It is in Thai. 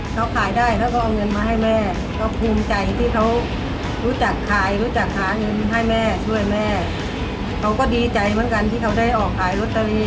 เขาขายได้เขาก็เอาเงินมาให้แม่ก็ภูมิใจที่เขารู้จักขายรู้จักหาเงินให้แม่ช่วยแม่เขาก็ดีใจเหมือนกันที่เขาได้ออกขายลอตเตอรี่